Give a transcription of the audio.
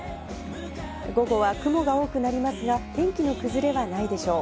午後は雲が多くなりますが、天気の崩れはないでしょう。